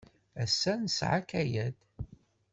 Ass-a, nesɛa akayad.